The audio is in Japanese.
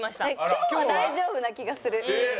今日は大丈夫な気がする。